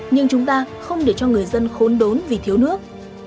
nhưng chúng ta không để cho người dân khốn đốn vì thiếu nước